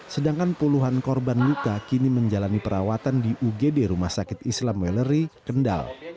sedangkan puluhan korban luka kini menjalani perawatan di ugd rumah sakit islam weleri kendal